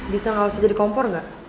bisa gak usah jadi kompor gak